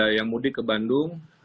yang mudik ke bandung